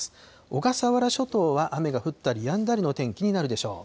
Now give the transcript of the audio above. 小笠原諸島は雨が降ったりやんだりの天気になるでしょう。